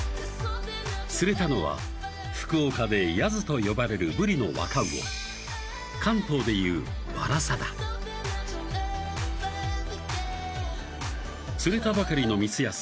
釣れたのは福岡でヤズと呼ばれるブリの若魚関東でいうワラサだ釣れたばかりの光安